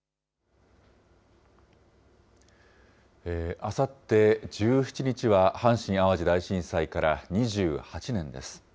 あさって１７日は、阪神・淡路大震災から２８年です。